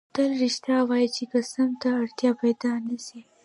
تل رښتیا وایه چی قسم ته اړتیا پیدا نه سي